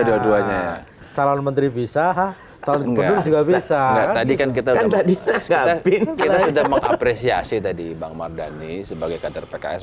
dua duanya calon menteri bisa ha saling juga bisa tadi kan kita udah diambil kita sudah mengapresiasi